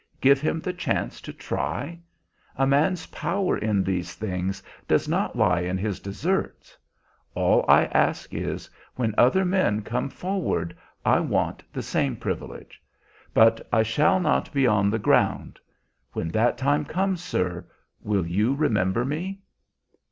Give him the chance to try. A man's power in these things does not lie in his deserts. All I ask is, when other men come forward I want the same privilege. But I shall not be on the ground. When that time comes, sir, will you remember me?"